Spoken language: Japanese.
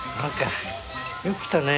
よく来たね。